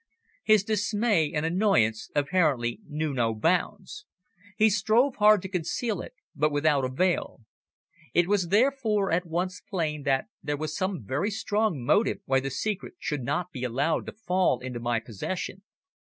His dismay and annoyance apparently knew no bounds. He strove hard to conceal it, but without avail. It was therefore at once plain that there was some very strong motive why the secret should not be allowed to fall into my possession.